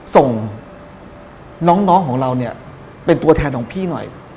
ส่งน้องของเราเนี่ยเป็นตัวแทนของพี่หน่อย